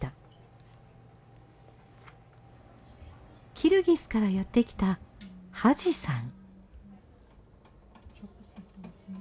キルギスからやってきたうん。